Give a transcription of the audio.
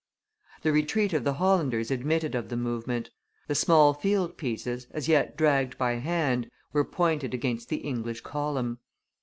The retreat of the Hollanders admitted of the movement; the small field pieces, as yet dragged by hand, were pointed against the English column.